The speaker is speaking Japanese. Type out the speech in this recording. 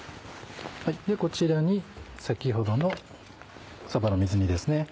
こちらに先ほどのさばの水煮ですね。